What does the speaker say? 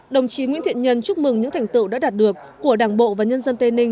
đồng chí nguyễn thiện nhân chúc mừng những thành tựu đã đạt được của đảng bộ và nhân dân tây ninh